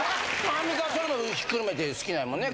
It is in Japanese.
アンミカはそれもひっくるめて好きなんやもんね。